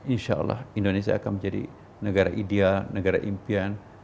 insya allah indonesia akan menjadi negara ideal negara impian